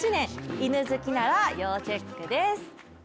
犬好きなら要チェックです。